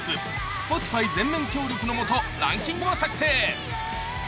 Ｓｐｏｔｉｆｙ全面協力のもとランキングを作成